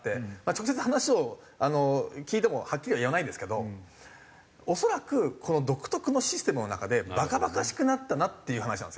直接話を聞いてもはっきりは言わないですけど恐らくこの独特のシステムの中でバカバカしくなったなっていう話なんですよ。